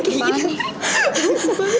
nih aku mau ngapain